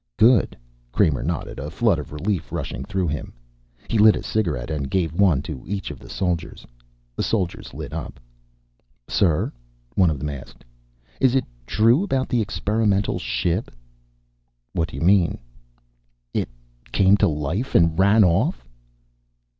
"Good." Kramer nodded, a flood of relief rushing through him. He lit a cigarette and gave one to each of the soldiers. The soldiers lit up. "Sir," one of them asked, "is it true about the experimental ship?" "What do you mean?" "It came to life and ran off?"